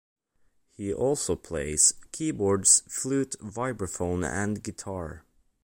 He also plays keyboards, flute, vibraphone and guitar.